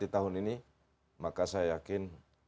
tahun ini maka saya yakin